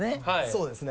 そうですね。